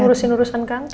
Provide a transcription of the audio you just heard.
ngurusin urusan kantor